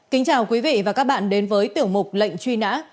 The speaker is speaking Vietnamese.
kính chào quý vị và các bạn đến với tiểu mục lệnh truy nã